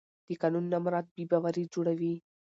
د قانون نه مراعت بې باوري جوړوي